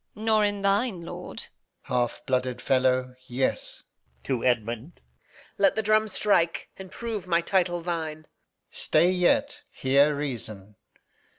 Edm. Nor in thine, lord. Alb. Half blooded fellow, yes. Reg. [to Edmund] Let the drum strike, and prove my title thine. Alb. Stay yet; hear reason.